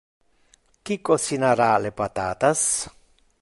Qui cocinara le patatas?